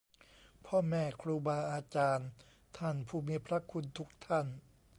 พ่อแม่ครูบาอาจารย์ ท่านผู้มีพระคุณทุกท่าน